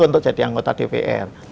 untuk jadi anggota dpr